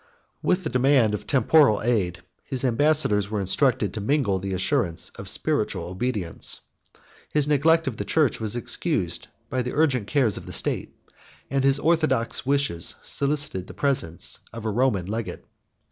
32 With the demand of temporal aid, his ambassadors were instructed to mingle the assurance of spiritual obedience: his neglect of the church was excused by the urgent cares of the state; and his orthodox wishes solicited the presence of a Roman legate.